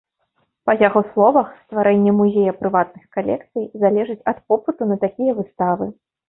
Па яго словах, стварэнне музея прыватных калекцый залежыць ад попыту на такія выставы.